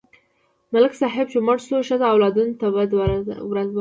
ملک صاحب چې مړ شو، ښځه او اولادونه ته بده ورځ راغله.